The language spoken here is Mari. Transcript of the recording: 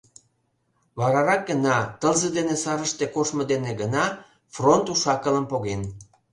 Варарак гына, тылзе дене сарыште коштмо дене гына, фронт уш-акылым поген.